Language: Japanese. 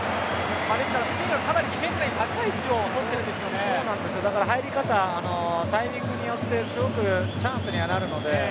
スペインはディフェンスは高い位置を入り方、タイミングによってすごくチャンスにはなるので。